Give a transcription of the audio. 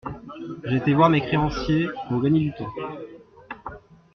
J’ai été voir mes créanciers, pour gagner du temps.